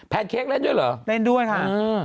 เค้กเล่นด้วยเหรอเล่นด้วยค่ะ